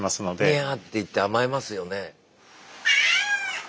ニャーっていって甘えますよね。